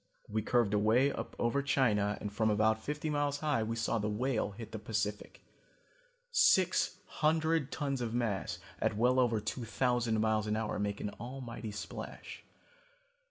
We curved away up over China and from about fifty miles high we saw the Whale hit the Pacific. Six hundred tons of mass at well over two thousand miles an hour make an almighty splash.